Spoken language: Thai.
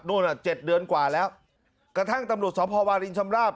อ่ะเจ็ดเดือนกว่าแล้วกระทั่งตำรวจสพวารินชำราบ